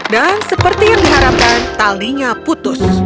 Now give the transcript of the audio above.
dan seperti yang diharapkan talinya putus